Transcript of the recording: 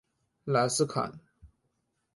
莱斯坎。